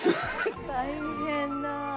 大変だ。